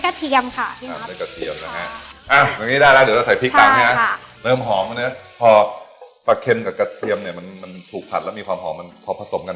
ด้วยโหลพาไม่ใช่ค่ะที่ไทยก่อนค่ะ